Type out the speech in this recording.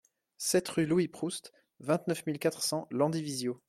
sept rue Louis Proust, vingt-neuf mille quatre cents Landivisiau